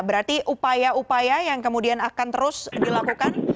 berarti upaya upaya yang kemudian akan terus dilakukan